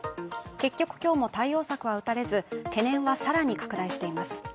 結局今日も対応策は打たれず懸念は更に拡大しています。